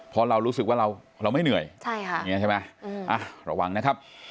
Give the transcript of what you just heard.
เพราะเรารู้สึกว่าเราไม่เหนื่อยใช่ไหม